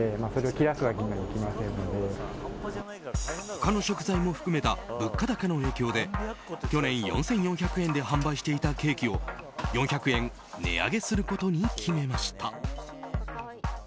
他の食材も含めた物価高の影響で去年４４００円で販売していたケーキを４００円値上げすることに決めました。